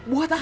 buat apa ma